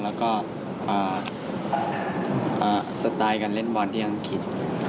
แล้วก็เอ่อสตาย์การเล่นวนที่อังกฤษ